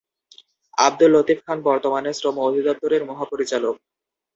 আবদুল লতিফ খান বর্তমানে শ্রম অধিদপ্তরের মহাপরিচালক।